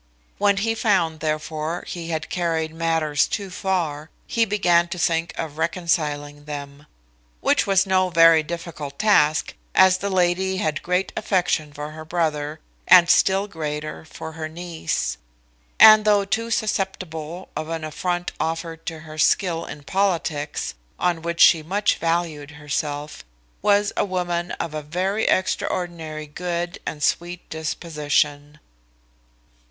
When he found, therefore, he had carried matters too far, he began to think of reconciling them; which was no very difficult task, as the lady had great affection for her brother, and still greater for her niece; and though too susceptible of an affront offered to her skill in politics, on which she much valued herself, was a woman of a very extraordinary good and sweet disposition.